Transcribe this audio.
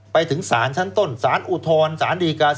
ไปถึงศาลชั้นต้นศาลอุทธรรมศาลดีการ